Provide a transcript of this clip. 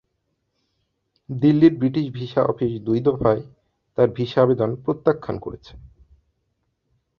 দিল্লির British visa office দুই দফায় তাঁর ভিসা আবেদন প্রত্যাখ্যান করেছে।